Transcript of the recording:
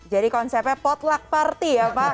jadi konsepnya potluck party ya pak